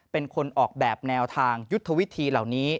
เป็นคนออกแบบแนวทางยุทธวิธีเหล่านี้